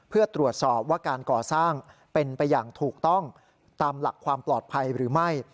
เพื่อตรวจสอบว่าการก่อสร้างเป็นไปอย่างถูกต้องตามหลักความปลอดภัยหรือไม่